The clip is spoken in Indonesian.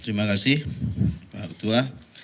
terima kasih pak arif tua